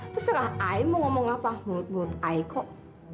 terserah ayah mau ngomong apa menurut menurut ayah kok